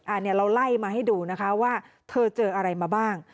อันนี้เราไล่มาให้ดูนะคะว่าเธอเจออะไรมาบ้าง